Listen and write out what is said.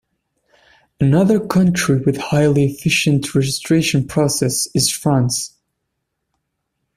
Another country with a highly efficient registration process is France.